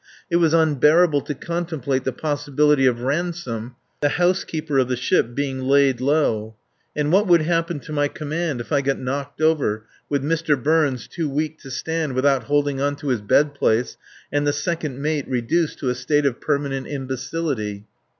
It was unbearable to contemplate the possibility of Ransome, the housekeeper of the ship, being laid low. And what would happen to my command if I got knocked over, with Mr. Burns too weak to stand without holding on to his bed place and the second mate reduced to a state of permanent imbecility?